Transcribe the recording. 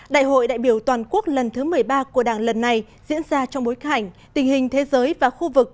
đại hội đại biểu toàn quốc lần thứ một mươi ba của đảng lần này diễn ra trong bối cảnh tình hình thế giới và khu vực